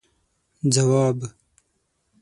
ځواب: